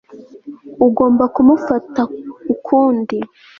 ugomba kumufata ukundi